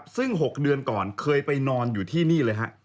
ซึ่ง๖เดือนก่อนเคยไปนอนอยู่ที่นี่เลยฮะ